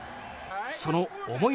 その思い